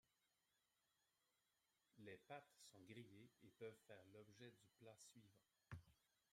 Les pattes sont grillées et peuvent faire l'objet du plat suivant.